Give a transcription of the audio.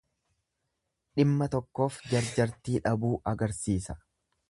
Dhimma tokkoof jarjartii dhabuu agarsiisa.